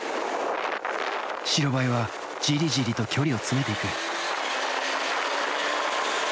白バイはジリジリと距離を詰めて行く。